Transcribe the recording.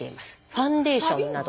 ファンデーションなど。